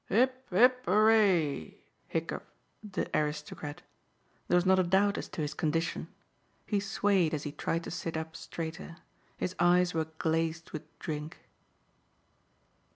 "Hip, hip, 'ooray!" hiccoughed the aristocrat. There was not a doubt as to his condition. He swayed as he tried to sit up straighter. His eyes were glazed with drink.